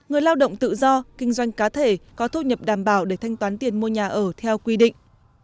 người lao động tự do kinh doanh cá thể có thu nhập đảm bảo để thanh toán tiền mua nhà ở theo quy định